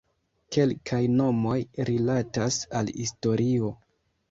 Kelkaj nomoj rilatas al historio.